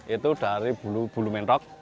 itu dari bulu bulu menrok